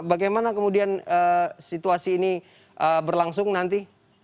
bagaimana kemudian situasi ini berlangsung nanti